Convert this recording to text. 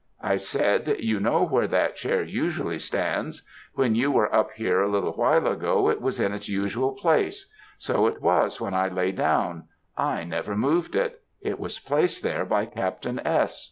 I said, you know where that chair usually stands; when you were up here a little while ago it was in its usual place so it was when I lay down I never moved it; it was placed there by Captain S.